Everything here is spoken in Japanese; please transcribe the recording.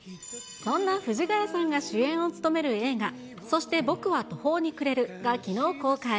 そんな藤ヶ谷さんが主演を務める映画、そして僕は途方に暮れるが、きのう公開。